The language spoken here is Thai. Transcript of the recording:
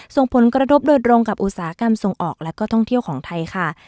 ส่งผลกระทบโดยตรงกับอุตสาหกรรมส่งออกและก็ท่องเที่ยวของไทยค่ะ